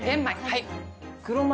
はい。